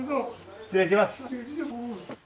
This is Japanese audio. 失礼します。